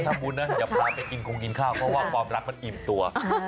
ทำบุญนะอย่าพาไปกินคงกินข้าวเพราะว่าความรักมันอิ่มตัว